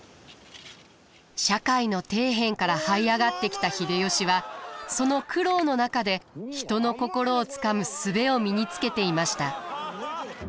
社会の底辺からはい上がってきた秀吉はその苦労の中で人の心をつかむ術を身につけていました。